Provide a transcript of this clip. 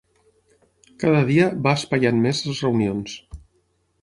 Cada dia va espaiant més les reunions.